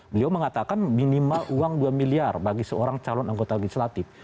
beliau mengatakan minimal uang dua miliar bagi seorang calon anggota legislatif